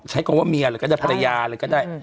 ใช้คำว่าเมียเลยก็ได้ภรรยาเลยก็ได้